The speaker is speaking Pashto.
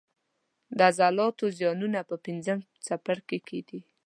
د عضلاتو زیانونه په پنځم څپرکي کې دي.